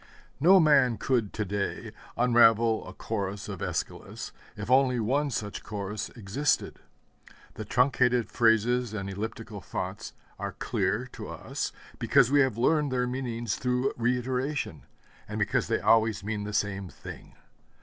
No man could to day unravel a Chorus of Æschylus if only one such Chorus existed. The truncated phrases and elliptical thoughts are clear, to us, because we have learned their meaning through reiteration, and because they always mean the same thing.